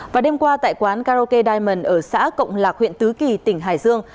và đêm qua tại quán karaoke diamond ở xã cộng lạc huyện tứ kỳ tỉnh hải dương